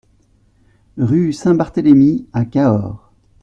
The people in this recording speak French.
Rue Saint-Barthelémy à Cahors